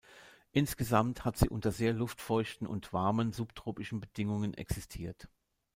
Insgesamt hat sie unter sehr luftfeuchten und warmen, subtropischen Bedingungen existiert.